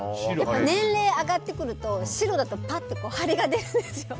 年齢上がってくると白だとパッと張りが出るんですよ。